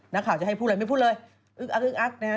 นักข่าวจะให้พูดเลยไม่พูดเลยอึ๊กอักนะฮะ